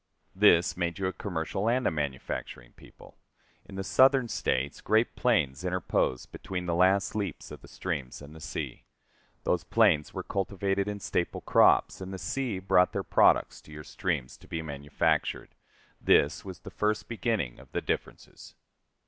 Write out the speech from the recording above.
This made you a commercial and a manufacturing people. In the Southern States great plains interpose between the last leaps of the streams and the sea. Those plains were cultivated in staple crops, and the sea brought their products to your streams to be manufactured. This was the first beginning of the differences.